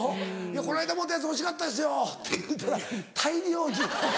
「この間もろうたやつおいしかったですよ」って言うたら大量に。